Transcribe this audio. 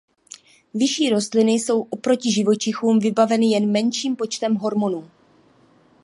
Vyšší rostliny jsou oproti živočichům vybaveny jen menším počtem hormonů.